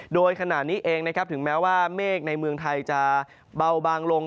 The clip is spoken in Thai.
โดยขณะนี้เองนะครับถึงแม้ว่าเมฆในเมืองไทยจะเบาบางลง